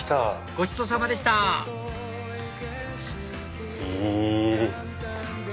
ごちそうさまでしたへぇ。